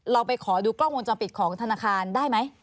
เราไปขอดูกล้องวงจรปิดของธนาคารได้ไหม